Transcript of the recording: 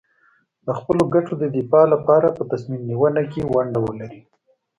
د خپلو ګټو د دفاع لپاره په تصمیم نیونه کې ونډه ولري.